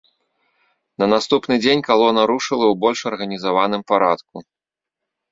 На наступны дзень калона рушыла у больш арганізаваным парадку.